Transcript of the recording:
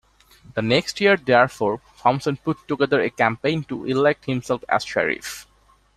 The next year, therefore, Thompson put together a campaign to elect himself as Sheriff.